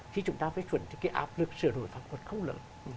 khi chúng ta phê chuẩn thì cái áp lực sửa đổi pháp luật không lớn